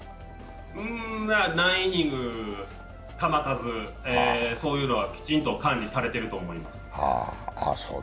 何イニング、球数、そういうのはきちんと管理されてると思います。